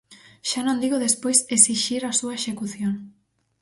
Xa non digo despois exixir a súa execución.